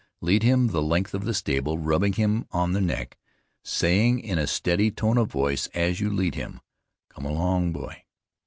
Lead him the length of the stable, rubbing him on the neck, saying in a steady tone of voice as you lead him, COME ALONG BOY!